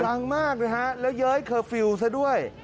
ดังมากนะฮะแล้วเย้ยเคอร์ฟิลล์ซะด้วย